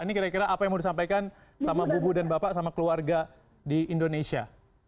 ini kira kira apa yang mau disampaikan sama bubu dan bapak sama keluarga di indonesia